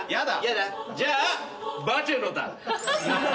じゃあバチェのだ。